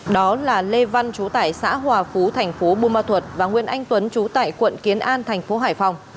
đó là lê văn chú tại xã hòa phú thành phố bùa ma thuật và nguyễn anh tuấn chú tại quận kiến an thành phố hải phòng